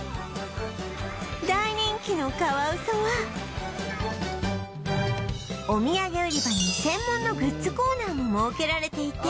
大人気のカワウソはお土産売り場に専門のグッズコーナーも設けられていて